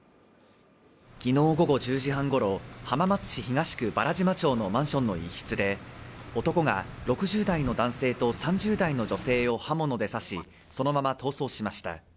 昨日午後１０時半ごろ、浜松市東区原島町のマンションの一室で男が６０代の男性と３０代の女性を刃物で刺しそのまま逃走しました。